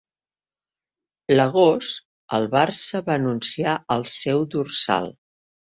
L'agost, el Barça va anunciar el seu dorsal.